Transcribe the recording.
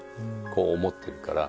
こう思ってるから。